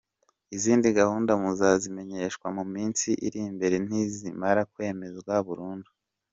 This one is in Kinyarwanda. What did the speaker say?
Izindi gahunda muzazimenyeshwa mu minsi iri imbere nizimara kwemezwa burundu.